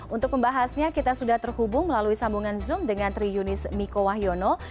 untuk pembahasnya kita sudah terhubung melalui sambungan zoom dengan tri yunis miko wahyono